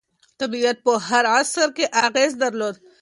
طبیعت په هر عصر کې اغېز درلود.